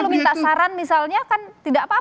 kalau minta saran misalnya kan tidak apa apa